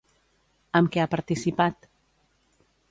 Amb què ha participat?